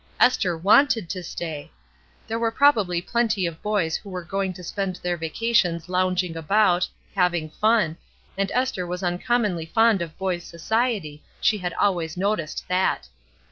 Esther wanted to stay ! There were probably plenty of boys who were going to spend their vacations lounging about, having fun, and Esther was uncommonly fond of boys' society, she had always noticed that.